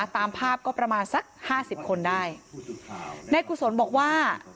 ตามภาพก็ประมาณสัก๕๐คนได้ในกุศลบอกว่า